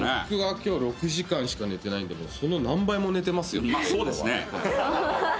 僕今日６時間しか寝てないんでその何倍も寝てますね。